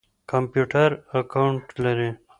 کمپيوټر اکاونټ لري.